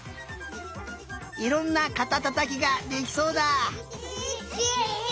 いろんなかたたたきができそうだ。